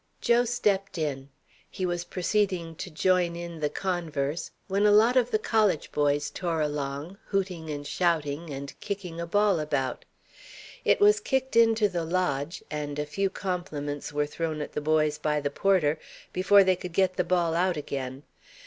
Joe stepped in. He was proceeding to join in the converse, when a lot of the college boys tore along, hooting and shouting, and kicking a ball about. It was kicked into the lodge, and a few compliments were thrown at the boys by the porter, before they could get the ball out again.